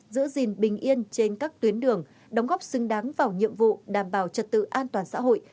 giữ gìn bình yên trên các tuyến đường đóng góp xứng đáng vào nhiệm vụ đảm bảo trật tự an toàn xã hội